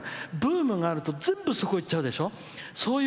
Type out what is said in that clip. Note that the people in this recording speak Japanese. ブームがあると全部、そこにいっちゃうでしょ。